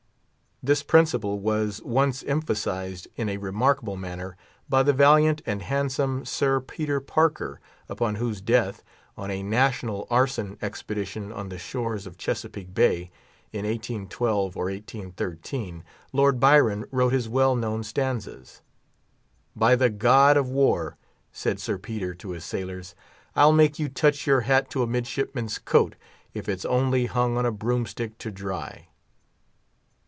This principle was once emphasised in a remarkable manner by the valiant and handsome Sir Peter Parker, upon whose death, on a national arson expedition on the shores of Chesapeake Bay, in 1812 or 1813, Lord Byron wrote his well known stanzas. "By the god of war!" said Sir Peter to his sailors, "I'll make you touch your hat to a midshipman's coat, if it's only hung on a broomstick to dry!"